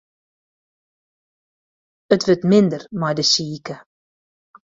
It wurdt minder mei de sike.